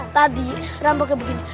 tadi rampoknya begini